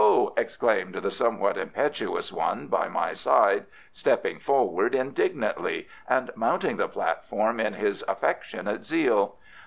exclaimed the somewhat impetuous one by my side, stepping forward indignantly and mounting the platform in his affectionate zeal.